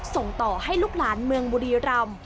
ส่งต่อให้ลูกหลานเมืองบุรีรำ